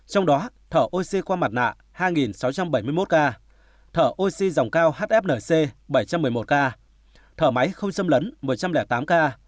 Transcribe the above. trong đó thở oxy qua mặt nạ hai sáu trăm bảy mươi một ca thở oxy dòng cao hflc bảy trăm một mươi một ca thở máy không xâm lấn một trăm linh tám ca